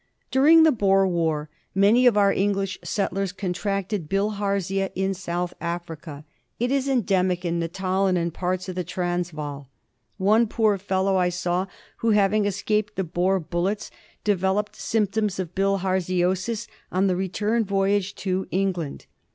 During the Boer war many of our English soldiers contracted Bilharzia ' ^South Africa. It is endemic in Natal and in parts of the Transvaal. One poor fellow I saw who, having escaped the Boer bullets, developed symptoms of bilharziosis on the return voyage to Eng land.